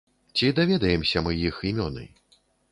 Ці даведаемся мы іх імёны?